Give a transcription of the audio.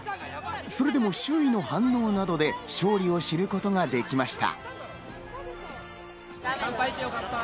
それでも周囲の反応などで勝利を知ることができました。